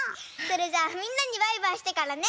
それじゃあみんなにバイバイしてからね。